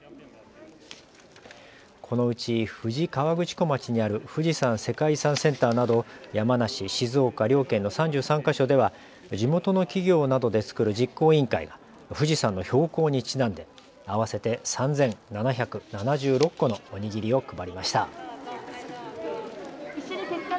このうち富士河口湖町にある富士山世界遺産センターなど山梨静岡両県の３３か所では地元の企業などで作る実行委員会が富士山の標高にちなんで合わせて３７７６個のおにぎりを配りました。